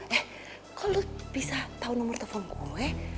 eh kok lo bisa tau nomor telfon gue